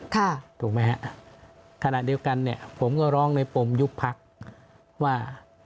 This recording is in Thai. ถูกไหมครับขณะเดียวกันผมก็ร้องในปมยุคพรรคว่า